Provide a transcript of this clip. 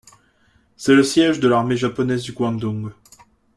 C'est le siège de l'armée japonaise du Guandong.